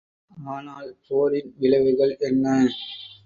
ஆனால் போரின் விளைவுகள் என்ன?